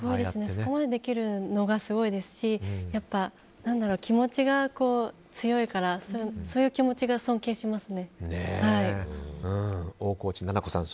そこまでできるのがすごいですし気持ちが強いからそういう気持ちが尊敬します。